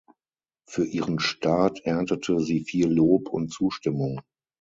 Für ihren Start erntete sie viel Lob und Zustimmung.